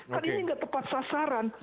kan ini nggak tepat sasaran